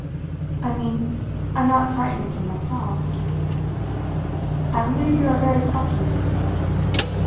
"I mean I am not frightened for myself." "I believe you are very plucky," he said.